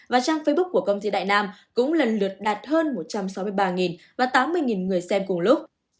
và trang facebook của công ty đại nam cũng lần lượt đạt hơn một trăm sáu mươi ba và tám mươi người xem cùng lúc